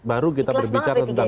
baru kita berbicara tentang